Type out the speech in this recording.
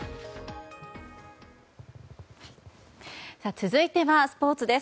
続いては、スポーツです。